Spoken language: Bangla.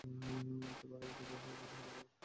আর আগামীকাল যা-ই হোক না কেন, পালানোর জন্য প্রস্তুত থেকো।